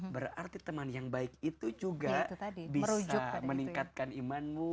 berarti teman yang baik itu juga bisa meningkatkan imanmu